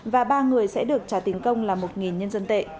và ba người sẽ được trả tiền công là một nhân dân tệ